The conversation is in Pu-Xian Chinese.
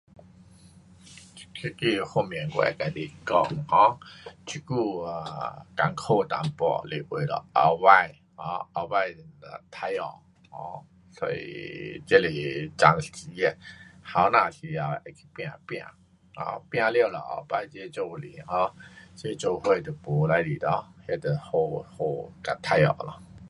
这个方面我会跟你讲 um 这久啊困苦一点是为了后次 um 后次，啊，快乐，um 所以这是暂时的，年轻时头会去拼，拼。um 拼完了后次这做过来，这做过了就没事情咯，就好好，跟快乐咯。